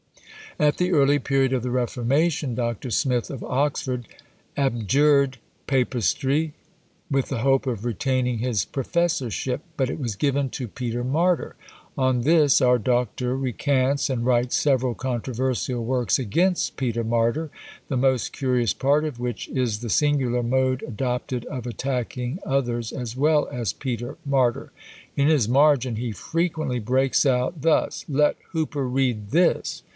At the early period of the Reformation, Dr. Smith of Oxford abjured papistry, with the hope of retaining his professorship, but it was given to Peter Martyr. On this our Doctor recants, and writes several controversial works against Peter Martyr; the most curious part of which is the singular mode adopted of attacking others, as well as Peter Martyr. In his margin he frequently breaks out thus: "Let Hooper read this!"